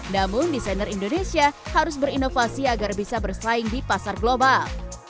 namun desainer indonesia harus berinovasi agar bisa bersaing di pasar global